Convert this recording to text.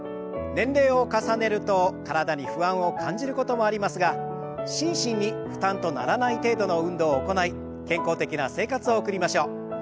年齢を重ねると体に不安を感じることもありますが心身に負担とならない程度の運動を行い健康的な生活を送りましょう。